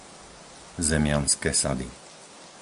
Zemianske Sady